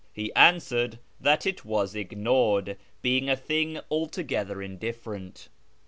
He answered that it was ignored, being a thing altogether indifferent.